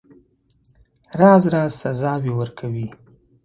راز راز سزاوي ورکوي.